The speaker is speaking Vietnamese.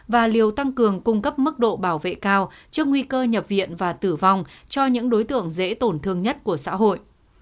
và liều tăng cường cung cấp mức độ bảo vệ cao trước nguy cơ nhập viện và tử vong cho những đối tượng dễ tổn thương nhất của xã hội